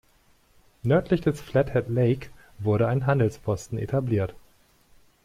Nördlich des Flathead Lake wurde ein Handelsposten etabliert.